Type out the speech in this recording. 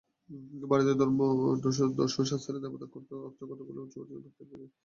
ভারতীয় ধর্ম ও দর্শনশাস্ত্রে দেবতা অর্থে কতকগুলি উচ্চপদস্থ ব্যক্তিকে বুঝায়।